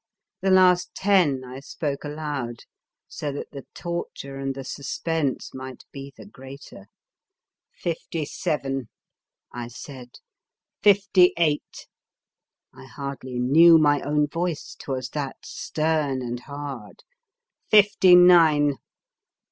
The last ten I spoke aloud, so that the tor ture and the suspense might be the greater. " Fifty seven!" I said. ''Fifty eight!" — I hardly knew my own voice, 'twas that stern and hard. V Fifty nine!"